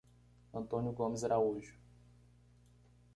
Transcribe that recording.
Antônio Gomes Araújo